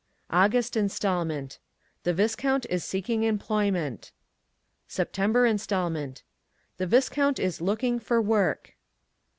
AUGUST INSTALMENT The Viscount is seeking employment. SEPTEMBER INSTALMENT The Viscount is looking for work.